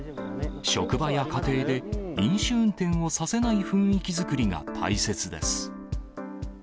職場や家庭で飲酒運転をさせない雰囲気作りが大切です。